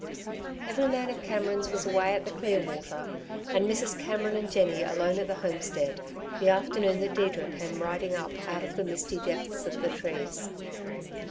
Every man of Cameron's was away at the Clearwater, and Mrs. Cameron and Jenny alone at the homestead, the afternoon that Deirdre came riding up out of the misty depths of the trees.